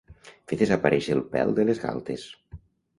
Fer desaparèixer el pèl de les galtes.